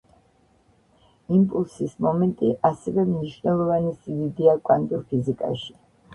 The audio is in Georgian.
იმპულსის მომენტი ასევე მნიშვნელოვანი სიდიდეა კვანტურ ფიზიკაში.